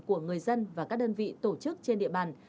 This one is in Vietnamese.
của người dân và các đơn vị tổ chức trên địa bàn